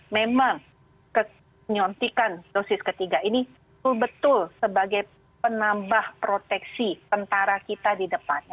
memang penyuntikan dosis ketiga ini betul betul sebagai penambah proteksi tentara kita di depannya